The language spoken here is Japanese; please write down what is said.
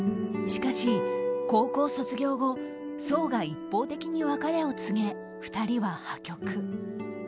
しかし、高校卒業後想が一方的に別れを告げ２人は破局。